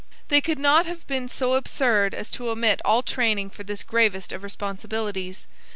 They could not have been so absurd as to omit all training for this gravest of responsibilities.